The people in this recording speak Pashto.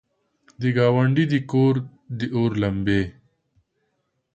د ګاونډي د کور، داور لمبې!